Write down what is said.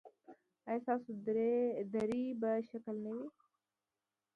ایا ستاسو درې به ښکلې نه وي؟